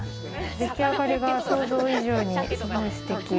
でき上がりが想像以上にすごいすてき。